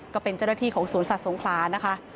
ก็เป็นเจ้าหน้าที่ของสวนสัตว์สงขลานะคะ